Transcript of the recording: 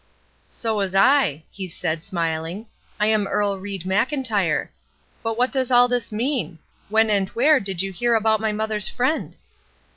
"So was I," he said, smiling. "I am Earle Ried Mclntyre; but what does all this mean? When and where did you hear about my mother's friend?"